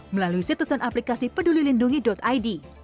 melalui situs dan aplikasi pedulilindungi id